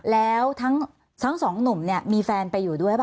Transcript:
แล้วทั้งสองหนุ่มเนี่ยมีแฟนไปอยู่ด้วยป่